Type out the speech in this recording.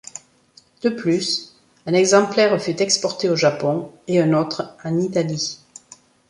De plus, un exemplaire fut exporté au Japon et un autre en Italie.